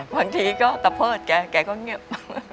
บางทีก็ตะเพิดแกก็เงียบ